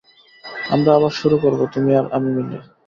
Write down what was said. আমরা আবার শুরু করবো, তুমি আর আমি মিলে।